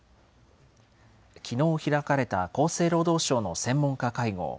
きのう開かれた厚生労働省の専門家会合。